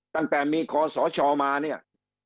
ตั้งแต่มีคอสชมาเนี่ย